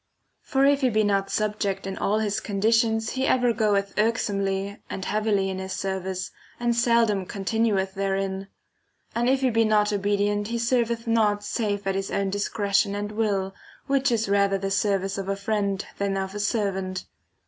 For if he be not subject in all his conditions (^30] he ever goeth irksomely and heavily in his service, and seldom continueth therein ; and if he be not obedient he serveth not save at his own discretion and will, which is rather the service of a friend than of a servant.